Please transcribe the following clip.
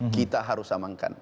kita harus samankan